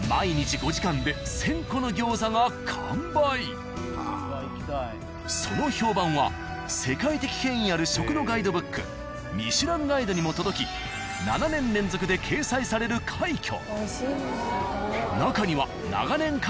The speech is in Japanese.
毎日その評判は世界的権威ある食のガイドブック「ミシュランガイド」にも届き７年連続で掲載される快挙。